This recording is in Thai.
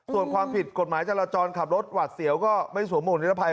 ส่วนความผิดกฎหมายจราจรขับรถหวัดเสียวก็ไม่สวมหวกนิรภัย